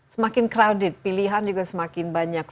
semakin crowded pilihan juga semakin banyak